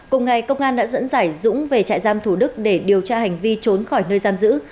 cùng ngày công an đã dẫn giải dũng về trại giam thủ đức để điều tra hành vi trốn khỏi nơi giam giữ